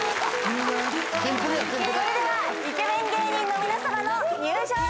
それではイケメン芸人の皆さまの入場でーす！